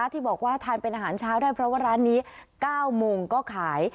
ที่บอกว่าทานเป็นอาหารเช้าได้เพราะว่าร้านนี้๙โมงก็ขาย